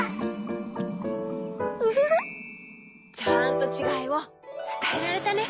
ウフフちゃんとちがいをつたえられたね。